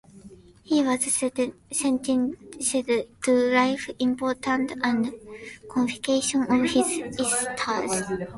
He was sentenced to life imprisonment and confiscation of his estates.